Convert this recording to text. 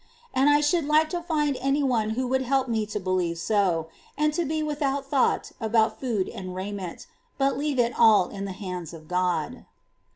And I should like to find any one who would help me to believe so, and to be without thought about food and raiment, but leave it all in the hands of God.